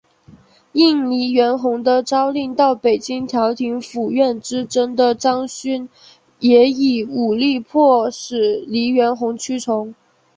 应黎元洪的召令到北京调停府院之争的张勋也以武力迫使黎元洪屈从。